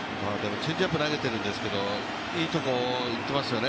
チェンジアップ投げているんですけど、いいところにいってますよね。